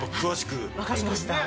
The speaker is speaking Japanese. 分かりました。